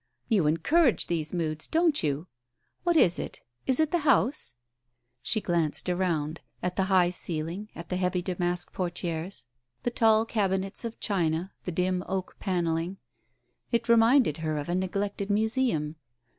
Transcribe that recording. You encourage these moods, don't you? What is it? Is it the house ?" She glanced around her — at the high ceiling, at the heavy damask portieres, the tall cabinets of china, the dim oak panelling — it reminded her of a neglected museum.